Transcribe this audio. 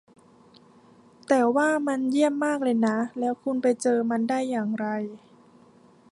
แต่ว่ามันเยี่ยมมากเลยนะ แล้วคุณไปเจอมันได้อย่างไร